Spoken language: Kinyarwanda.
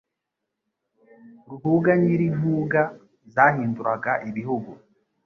Ruhuga nyiri impuga Zahinduraga ibihugu,